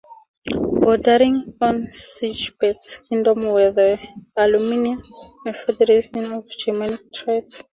Bordering on Sigebert's kingdom were the Alemanni, a confederation of Germanic tribes.